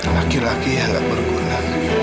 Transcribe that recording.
laki laki yang gak berguna